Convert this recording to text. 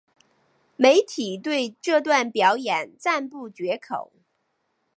媒体对这段表演赞不绝口。